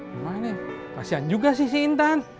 cuma ini kasihan juga sih si intan